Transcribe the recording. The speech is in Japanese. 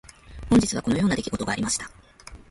本日はこのような出来事がありました。